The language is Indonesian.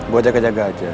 buat jaga jaga aja